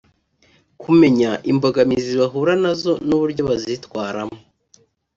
kumenya imbogamizi bahura nazo n’uburyo bazitwaramo